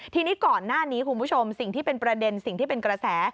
ทีนี้ก่อนหน้านี้คุณผู้ชมสิ่งที่เป็นประเด็นสิ่งที่เป็นกระแส